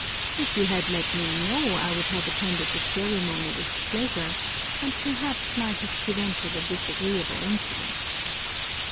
If you had let me know, I would have attended the ceremony with pleasure, and perhaps might have prevented a disagreeable incident."